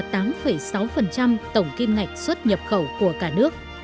tổng kim ngạch xuất nhập khẩu của cả nước